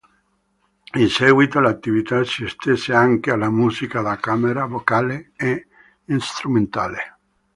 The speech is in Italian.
In seguito l'attività si estese anche alla musica da camera, vocale e strumentale.